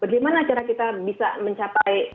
bagaimana cara kita bisa mencapai